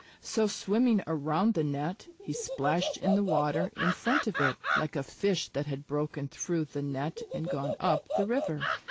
So swimming around the net, he splashed in the water in front of it, like a Fish that had broken through the net and gone up the river.